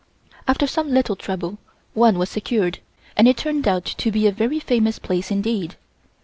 After some little trouble one was secured, and it turned out to be a very famous place indeed.